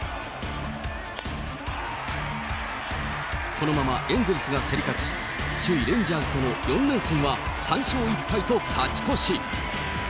このままエンゼルスが競り勝ち、首位、レンジャーズとの４連戦は３勝１敗と勝ち越し。